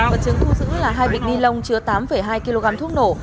vật chứng thu giữ là hai bịch ni lông chứa tám hai kg thuốc nổ